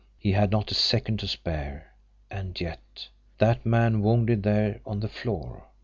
He had not a second to spare and yet that man wounded there on the floor!